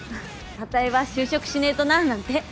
あたいは就職しねえとななんて。